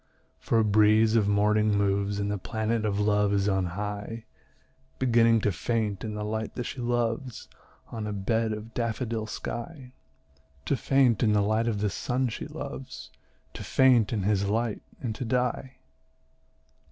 For a breeze of morning moves, And the planet of Love is on high, Beginning to faint in the light that she loves On a bed of daffodil sky, To faint in the light of the sun she loves, To faint in his light, and to die.